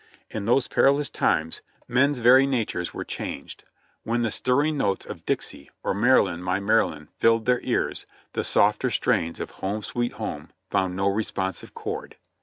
In those perilous times men's very natures were 40 JOHNNY RE:b and BILIA' YANK changed; when the stirring notes of "Dixie" or "Maryland, my Maryland," filled their ears, the softer strains of "Home, Sweet Home," found no responsive chord.